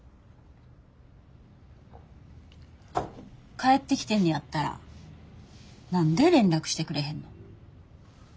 帰ってきてんねやったら何で連絡してくれへんの？